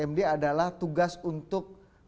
md adalah tugas untuk